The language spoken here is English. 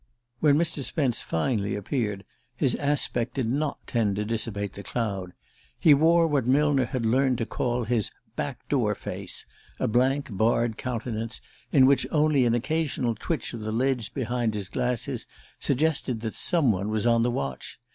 When Mr. Spence finally appeared, his aspect did not tend to dissipate the cloud. He wore what Millner had learned to call his "back door face": a blank barred countenance, in which only an occasional twitch of the lids behind his glasses suggested that some one was on the watch.